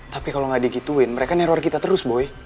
tapi kalo gak digituin mereka neror kita terus boy